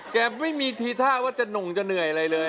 แกไม่มีทีท่าว่าจะหน่งจะเหนื่อยอะไรเลย